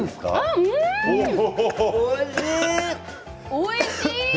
おいしい！